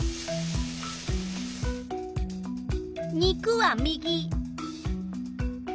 肉は右。